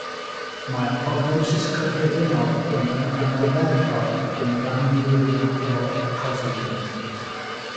Mae'r prognosis cyffredinol yn ardderchog yn y rhan fwyaf o achosion.